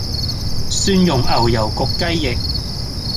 蒜蓉牛油焗雞翼